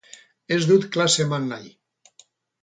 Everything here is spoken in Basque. Ez dut klase eman nahi.